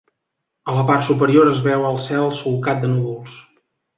A la part superior es veu el cel solcat de núvols.